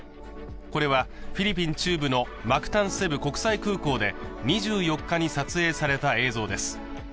これはフィリピン中部のマクタン・セブ国際空港で２４日に撮影された映像です。